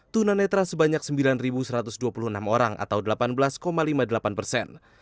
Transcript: tunanetra sebanyak sembilan satu ratus dua puluh enam orang atau delapan belas lima puluh delapan persen